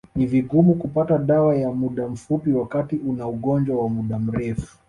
Ni vigumu kupata dawa ya muda mfupi wakati una ugonjwa wa muda mrefu